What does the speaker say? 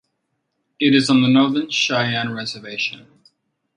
It is on the Northern Cheyenne reservation.